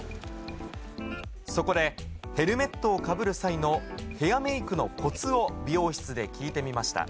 そこで、ヘルメットをかぶる際のヘアメークのこつを美容室で聞いてみました。